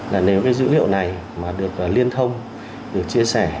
là nếu cái dữ liệu này mà được liên thông được chia sẻ